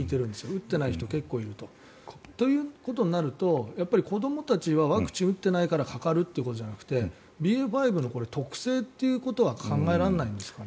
打ってない人、結構いると。ということになるとやっぱり、子どもたちはワクチンを打ってないからかかるということじゃなくてＢＡ．５の特性ということは考えられないんですか？